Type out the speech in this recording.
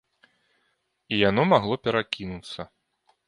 І яно магло перакінуцца.